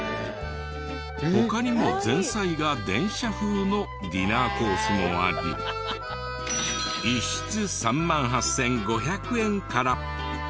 他にも前菜が電車風のディナーコースもあり１室３万８５００円から。